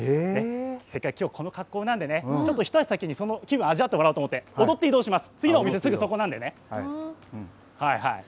それから、きょうこの格好なんでねちょっと、ひと足先にその気分を味わってもらおうと思って踊って移動します。